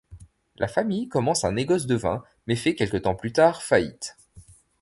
La famille commence un négoce de vins mais fait quelque temps plus tard faillite.